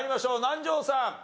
南條さん。